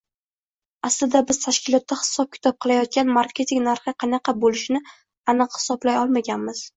Aslida biz tashkilotda hisob-kitob qilayotganda marketing narxi qanaqa boʻlishini aniq hisoblay olmaganmiz.